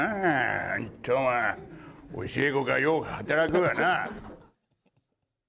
あー、教え子がよう働くわな。